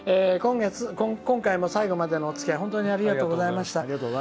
今回も最後までのおつきあいありがとうございました。